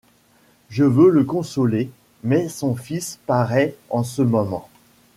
Je veux le consoler, mais son fils paraît en ce moment.